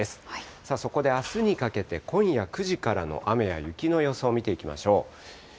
さあ、そこであすにかけて、今夜９時からの雨や雪の予想、見ていきましょう。